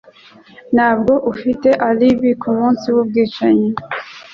ntabwo ufite alibi kumunsi wubwicanyi